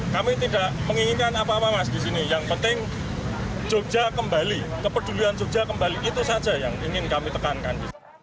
kami tidak menginginkan apa apa mas di sini yang penting jogja kembali kepedulian jogja kembali itu saja yang ingin kami tekankan